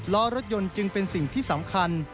ล้อรถยนต์จึงเป็นสิ่งที่สำคัญ